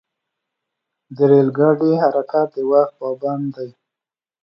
د ریل ګاډي حرکت د وخت پابند دی.